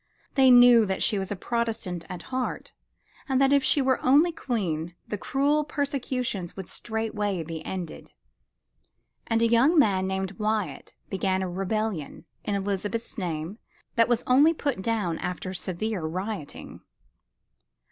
They knew that she was Protestant at heart, and that if she were only Queen the cruel persecutions would straightway be ended. And a young man named Wyatt began a rebellion in Elizabeth's name that was only put down after severe rioting.